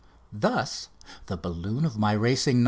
Thus the balloon of my racing "No.